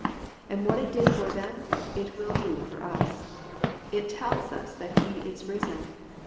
And what it did for them it will do for us. It tells us that He is risen.